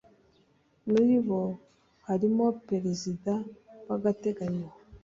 muri bo harimo perezida wagateganyo